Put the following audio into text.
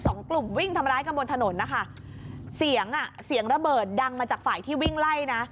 สองกลุ่มวิ่งทำร้ายกันบนถนนนะคะเสียงอ่ะเสียงระเบิดดังมาจากฝ่ายที่วิ่งไล่นะ